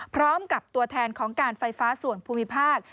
พร้อมกับตัวแทนของการไฟฟ้าส่วนภูมิภาค